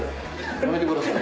やめてくださいよ。